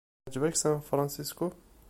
Teɛjeb-ik San Francisco?